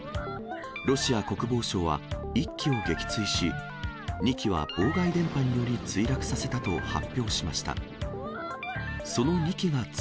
ロシア国防省は、１機を撃墜し、２機は妨害電波により墜落させたと発表しました。